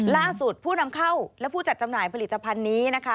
ล่าสุดผู้นำเข้าและผู้จัดจำหน่ายผลิตภัณฑ์นี้